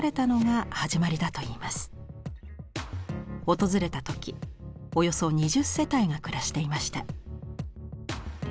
訪れた時およそ２０世帯が暮らしていました。